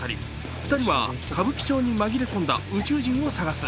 ２人は歌舞伎町に紛れ込んだ宇宙人を捜す。